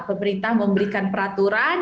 pemerintah memberikan peraturan